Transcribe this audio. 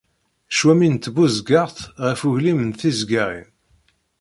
Ccwami n tbuzeggaɣt ɣef uglim d tizeggaɣin.